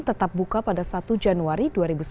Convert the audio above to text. tetap buka pada satu januari dua ribu sembilan belas